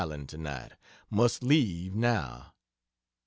tonight. Must leave now.